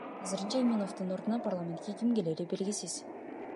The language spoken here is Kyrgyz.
Азырынча Иминовдун ордуна парламентке ким клээри белгисиз.